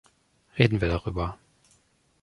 Reden wir darüber!